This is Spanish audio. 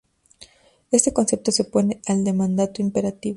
Este concepto se opone al de mandato imperativo.